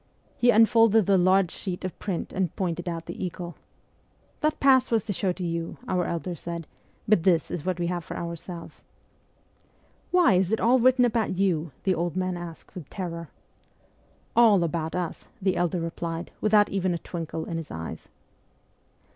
He unfolded the large sheet of print and pointed out the eagle. ' That pass was to show to you,' our elder said, ' but this is what we have for ourselves.' ' Why, is it all written about you ?' the old man asked with terror. 'All about us,' our elder replied, without even a twinkle in his eyes.